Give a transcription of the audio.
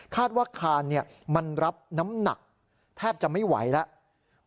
ว่าคานมันรับน้ำหนักแทบจะไม่ไหวแล้ว